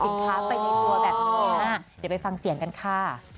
เป็นเวลาแบบนี้ค่ะเดี๋ยวไปฟังเสียงกันค่ะ